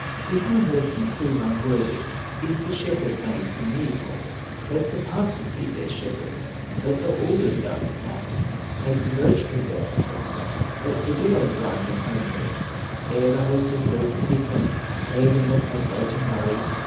"If my herdsman prove unworthy, If the shepherd maids seem evil, Let the pastures be their shepherds, Let the alders guard the cattle, Make the birch tree their protector, Let the willow drive them homeward, Ere the hostess go to seek them, Ere the milkmaids wait and worry.